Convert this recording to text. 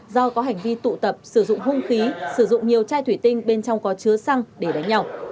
do có hành vi tụ tập sử dụng hung khí sử dụng nhiều chai thủy tinh bên trong có chứa xăng để đánh nhau